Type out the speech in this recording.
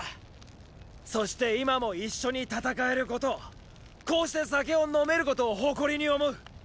そして今も一緒に戦えることをこうして酒を飲めることを誇りに思う！